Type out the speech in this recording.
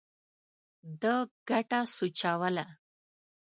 ده ګټه سوچوله.